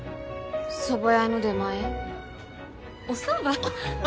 そば屋の出前おそば？